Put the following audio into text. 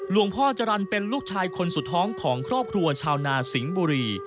พ่อจรรย์เป็นลูกชายคนสุดท้องของครอบครัวชาวนาสิงห์บุรี